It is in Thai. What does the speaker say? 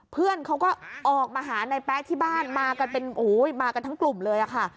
เพื่อนเขาก็ออกมาหานายแป๊ะที่บ้านมากันทั้งกลุ่มเลยค่ะ